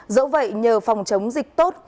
dẫu vậy nhờ phòng chống dịch tốt